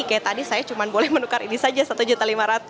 kayak tadi saya cuma boleh menukar ini saja rp satu lima ratus